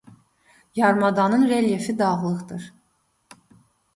Yarımadanın relyefi dağlıqdır.